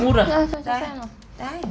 kẹo mút rồi